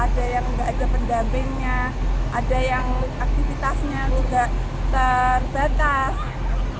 ada yang enggak ada pendampingnya ada yang aktivitasnya juga terbatas kita harus sabar